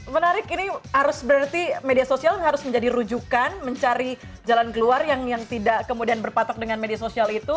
menarik ini harus berarti media sosial harus menjadi rujukan mencari jalan keluar yang tidak kemudian berpatok dengan media sosial itu